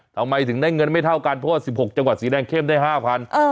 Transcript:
ทำไมถึงได้เงินไม่เท่ากันเพราะว่า๑๖จังหวัดสีแดงเข้มได้๕๐๐บาท